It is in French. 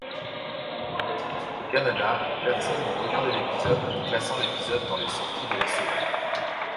Au Canada, personnes ont regardé l'épisode, classant l'épisode dans les sorties de la semaine.